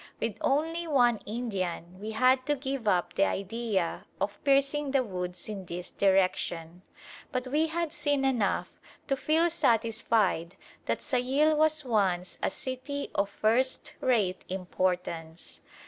With only one Indian we had to give up the idea of piercing the woods in this direction; but we had seen enough to feel satisfied that Sayil was once a city of first rate importance.